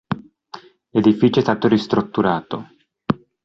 L'edificio è stato ristrutturato.